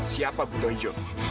siapa budo injok